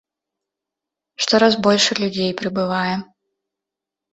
Штораз больш людзей прыбывае.